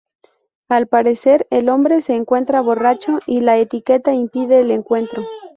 Al parecer, el hombre se encuentra borracho y la etiqueta impide el encuentro.